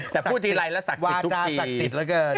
แต่พูดทีไรแล้วศักดิ์สิทธิ์ทุกปี